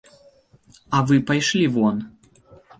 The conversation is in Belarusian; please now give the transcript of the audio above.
А вы пайшлі вон!